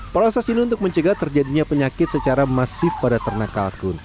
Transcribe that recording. proses ini untuk mencegah terjadinya penyakit secara masif pada ternak kalkun